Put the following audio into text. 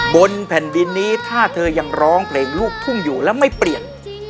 บนแผ่นดินนี้ถ้าเธอยังร้องเพลงลูกทุ่งอยู่แล้วไม่เปลี่ยน